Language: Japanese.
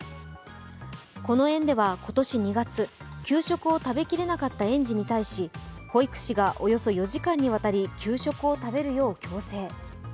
この園では、今年２月、給食を食べきれなかった園児に対し保育士がおよそ４時間にわたり給食を食べるよう強制。